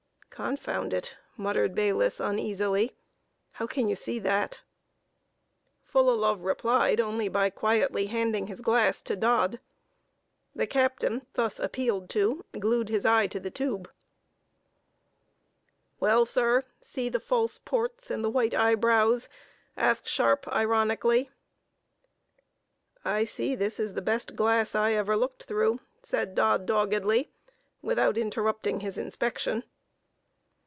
"Confound it!" muttered Bayliss, uneasily; "how can you see that?" Fullalove replied only by quietly handing his glass to Dodd. The captain, thus appealed to, glued his eye to the tube. "Well, sir; see the false ports, and the white eyebrows?" asked Sharpe, ironically. [Illustration: "By this Time all Eyes were Turned upon Her"] "I see this is the best glass I ever looked through," said Dodd doggedly, without interrupting his inspection.